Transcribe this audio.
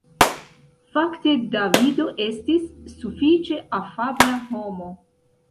Fakte Davido estis sufiĉe afabla homo.